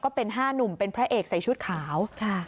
ก็เป็น๕หนุ่มเป็นพระเอกใส่ชุดขาว